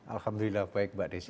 alhamdulillah baik mbak desi